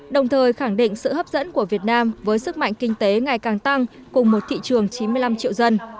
đồng thời khẳng định sự hấp dẫn của việt nam với sức mạnh kinh tế ngày càng tăng cùng một thị trường chín mươi năm triệu dân